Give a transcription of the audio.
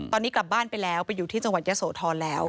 ตอนนี้กลับบ้านไปแล้วไปอยู่ที่จังหวัดยะโสธรแล้ว